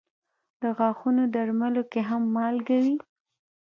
د غاښونو درملو کې هم مالګه وي.